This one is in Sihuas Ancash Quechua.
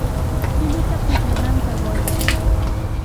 Llulluta pukllananta quy.